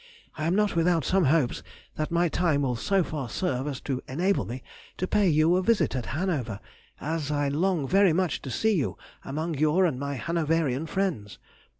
I am not without some hopes that my time will so far serve as to enable me to pay you a visit at Hanover, as I long very much to see you among your and my Hanoverian friends....